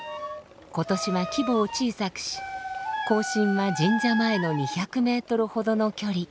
今年は規模を小さくし行進は神社前の２００メートルほどの距離。